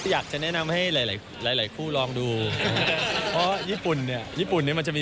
อยากจะแนะนำให้หลายหลายหลายหลายคู่ลองดูเพราะญี่ปุ่นนี้มันจะมี